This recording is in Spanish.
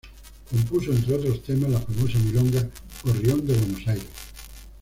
Compuso, entre otros temas, la famosa milonga "Gorrión de Buenos Aires".